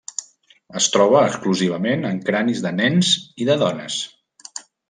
Es troba exclusivament en cranis de nens i de dones.